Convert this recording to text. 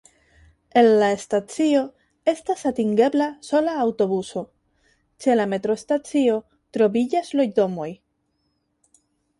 El la stacio estas atingebla sola aŭtobuso, ĉe la metrostacio troviĝas loĝdomoj.